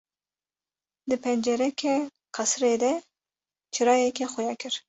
Di pencereke qesirê de çirayekê xuya kir.